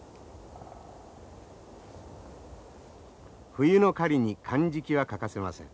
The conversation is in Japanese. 冬の狩りにかんじきは欠かせません。